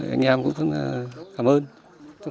anh em cũng rất là cảm ơn